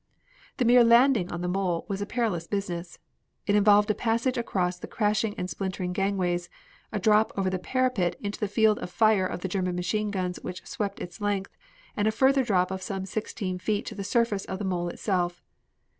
The mere landing on the mole was a perilous business. It involved a passage across the crashing and splintering gangways, a drop over the parapet into the field of fire of the German machine guns which swept its length, and a further drop of some sixteen feet to the surface of the mole itself.